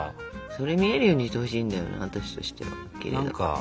それ見えるようにしてほしいんだよな私としては。